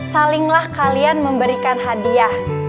salinglah kalian memberikan hadiah